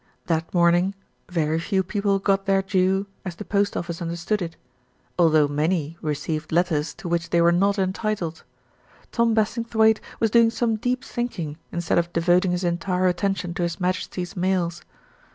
That morning, very few people got their due, as the post office understood it, although many received letters to which they were not entitled. Tom Bassing thwaighte was doing some deep thinking instead of devoting his entire attention to His Majesty's mails.